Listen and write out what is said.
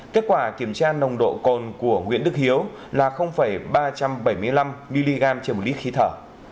kết quả kiểm tra nồng độ cồn của nguyễn đức hiếu là ba trăm bảy mươi năm mg trên một lít khí thở